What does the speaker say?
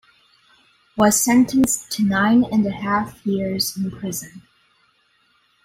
Was sentenced to nine and a half years in prison.